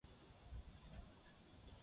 長袖のカーディガン